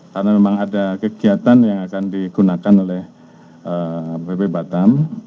karena memang ada kegiatan yang akan digunakan oleh bp batam